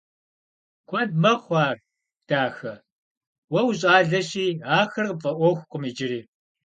Куэд мэхъу ар, дахэ, уэ ущӀалэщи ахэр къыпфӀэӀуэхукъым иджыри.